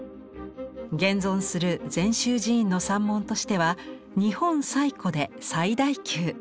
現存する禅宗寺院の三門としては日本最古で最大級。